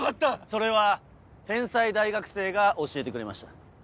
それは天才大学生が教えてくれました。